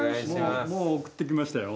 もう送ってきましたよ。